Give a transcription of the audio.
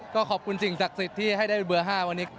ก็ขอบคุณสิ่งศักดิ์สิทธิ์ที่ให้ได้เบอร์๕วันนี้